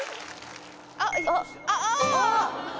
あっあぁ。